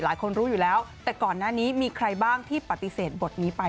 รู้อยู่แล้วแต่ก่อนหน้านี้มีใครบ้างที่ปฏิเสธบทนี้ไป